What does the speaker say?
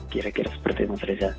kira kira seperti mas reza